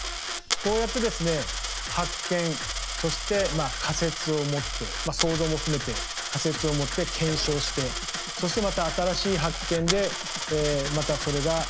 こうやってですね発見そして仮説を持って想像も含めて仮説を持って検証してそしてまた新しい発見でまたそれが謎が深まっていく。